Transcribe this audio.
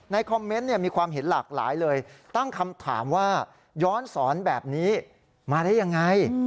คอมเมนต์มีความเห็นหลากหลายเลยตั้งคำถามว่าย้อนสอนแบบนี้มาได้ยังไง